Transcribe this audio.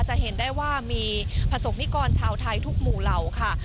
จะเห็นได้ว่ามีประสบนิกรชาวไทยทุกหมู่เหล่าค่ะ